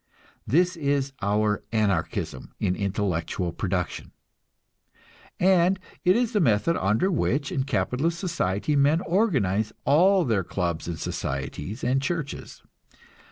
This is our "Anarchism in intellectual production," and it is the method under which in capitalist society men organize all their clubs and societies and churches.